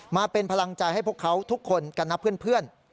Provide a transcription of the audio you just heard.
มาเป็นพลังใจให้พวกเขาทุกคนกันนะเพื่อน